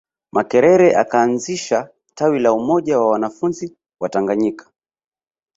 Makerere akaanzisha tawi la Umoja wa wanafunzi Watanganyika